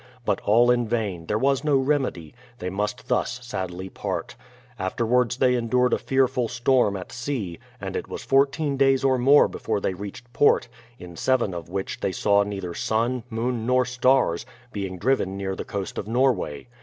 But all in vain, there was no remedy; they must thus sadly part. Afterwards they endured a fearful storm at sea, and it was fourteen days or more before they reached port, in seven of which they saw neither sun, moon, nor stars, being driven near the coast of Norway.